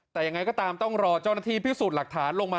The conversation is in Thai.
แต่ยังไงก็ตามต้องรอเจ้าหน้าที่พิสูจน์หลักฐานลงมา